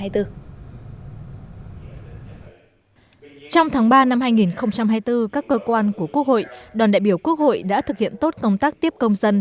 trong tháng ba năm hai nghìn hai mươi bốn các cơ quan của quốc hội đoàn đại biểu quốc hội đã thực hiện tốt công tác tiếp công dân